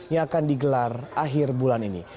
yang akan digelar akhir bulan ini